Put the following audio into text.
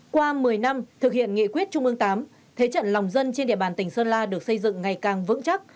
qua một mươi năm thực hiện nghị quyết trung ương viii thế trận lòng dân trên địa bàn tỉnh sơn la được xây dựng ngày càng vững chắc